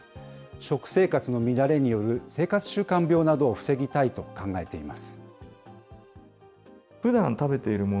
食生活の乱れによる生活習慣病などを防ぎたいと考えています。